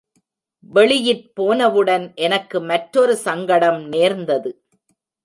வெளியிற் போனவுடன் எனக்கு மற்றொரு சங்கடம் நேர்ந்தது.